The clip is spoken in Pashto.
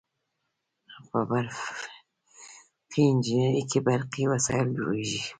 په برقي انجنیری کې برقي وسایل جوړیږي.